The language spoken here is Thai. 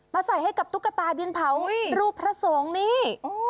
ใส่ให้กับตุ๊กตาดินเผารูปพระสงฆ์นี่